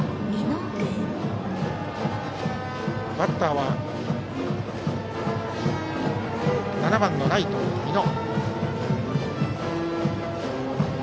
バッターは７番のライト、美濃。